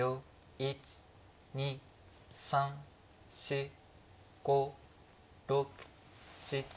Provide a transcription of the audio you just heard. １２３４５６７８。